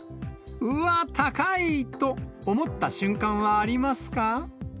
うわっ高いと思った思った瞬間はありますか？